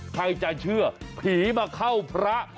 ใครจะเชื่อผีมาเข้าพระ